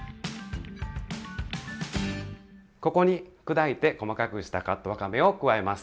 ここに砕いて細かくしたカットわかめを加えます。